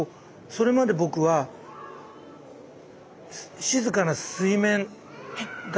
それまで僕は静かな水面だったんです。